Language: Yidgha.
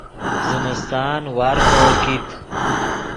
زمستان وارفو کیت